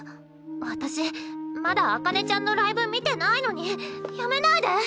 私まだ紅葉ちゃんのライブ見てないのにやめないで！